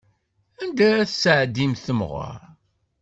Anda ara tesɛeddim temɣeṛ?